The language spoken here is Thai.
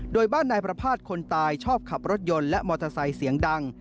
โดยบ้านนายประภาษณ์คนตายชอบขับรถยนต์และมอเตอร์ไซค์เสียงดัง